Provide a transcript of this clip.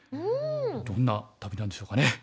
どんな旅なんでしょうかね。